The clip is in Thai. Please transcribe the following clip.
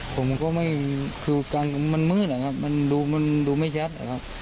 ผมก็ไม่คือการมันมืดนะครับมันดูมันดูไม่ชัดนะครับ